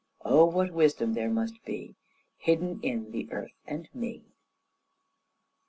Oh, what wisdom there must be Hidden in the earth and me!